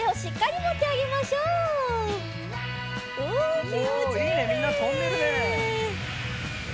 おいいねみんなとんでるね。